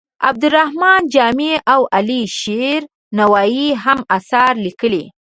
عبدالرحمان جامي او علي شیر نوایې هم اثار لیکلي.